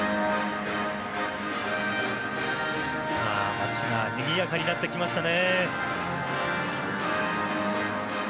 街がにぎやかになってきましたね。